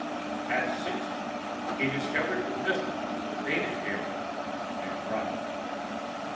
At sixteen, he discovered the mysteries of the Danish Gambit, and cried.